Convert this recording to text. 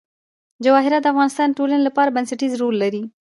جواهرات د افغانستان د ټولنې لپاره بنسټيز رول لري.